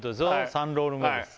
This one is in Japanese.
３ロール目です